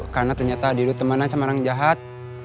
karena ternyata adidu temenan sama orang jahat